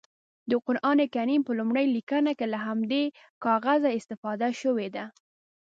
د قرانکریم په لومړنۍ لیکنه کې له همدې کاغذه استفاده شوې ده.